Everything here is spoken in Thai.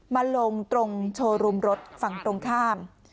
มาลงตรงโชว์รูมรถฝั่งตรงข้าม